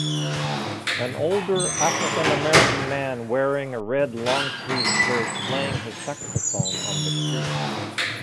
An older African American man wearing a red longsleeve shirt, playing his saxophone on the street.